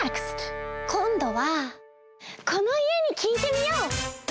こんどはこのいえにきいてみよう！